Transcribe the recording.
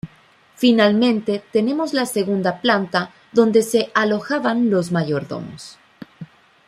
Finalmente tenemos la segunda planta donde se alojaban los mayordomos.